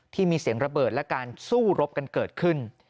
ที่มีเสียงระเบิดและการสู้รบกันเกิดขึ้น